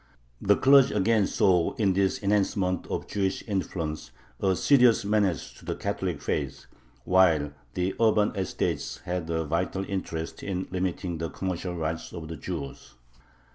The clergy again saw in this enhancement of Jewish influence a serious menace to the Catholic faith, while the urban estates had a vital interest in limiting the commercial rights of the Jews.